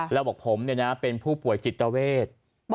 แล้วบอกผมเป็นผู้ป่วยจิตเวท